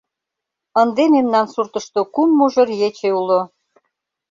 Ынде мемнан суртышто кум мужыр ече уло.